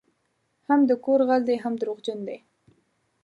هم د کور غل دی هم دروغجن دی